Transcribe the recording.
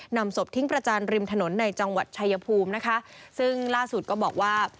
นำศพทิ้งประจานริมถนนในจังหวัดชายภูมินะคะซึ่งล่าสุดก็บอกว่า